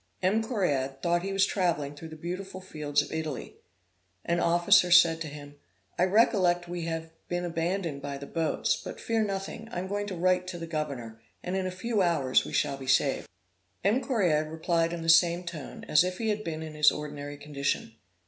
M. Correard thought he was travelling through the beautiful fields of Italy. An officer said to him 'I recollect we have been abandoned by the boats; but fear nothing. I am going to write to the governor, and in a few hours we shall be saved.' M. Correard replied in the same tone, and as if he had been in his ordinary condition.